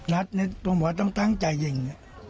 นัดนึงความหวัดต้องตั้งใจหยิง